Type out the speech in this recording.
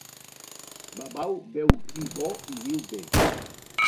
Babau beu vi bo i viu bé.